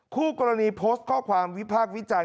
คู่กรณีโพสต์ข้อความวิพากษ์วิจารณ